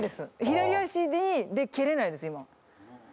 左足で蹴れないです今。